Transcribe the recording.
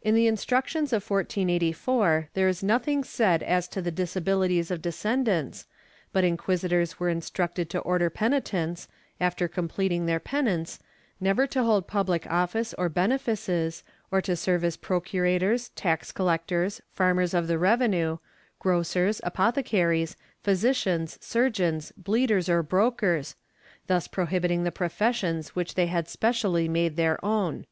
In the Instructions of 1484 there is nothing said as to the dis abihties of descendants, but inquisitors were instructed to order penitents, after completing their penance, never to hold public office or benefices or to serve as procurators, tax collectors, farmers of the revenue, grocers, apothecaries, physicians, surgeons, bleeders or brokers, thus prohibiting the professions which they had spe cially made their own.